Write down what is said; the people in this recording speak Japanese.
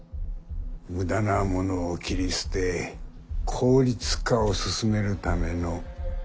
無駄なものを切り捨て効率化を進めるためのコマだ。